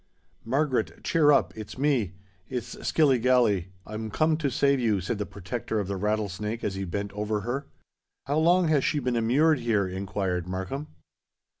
"Margaret—cheer up—it's me—it's Skilligalee—I'm come to save you," said the protector of the Rattlesnake as he bent over her. "How long has she been immured here?" inquired Markham.